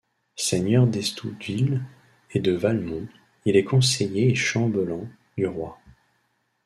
Seigneur d'Estouteville et de Valmont, il est conseiller et chambellan du roi.